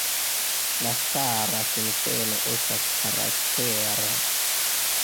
La stara sinteno estas karaktera.